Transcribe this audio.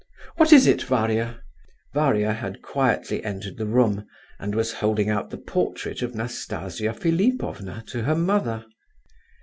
What is it, Varia?" Varia had quietly entered the room, and was holding out the portrait of Nastasia Philipovna to her mother.